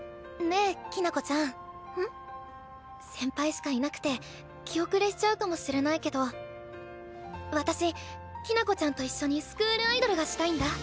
先輩しかいなくて気後れしちゃうかもしれないけど私きな子ちゃんと一緒にスクールアイドルがしたいんだ。